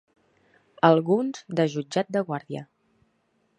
Alguns de jutjat de guàrdia.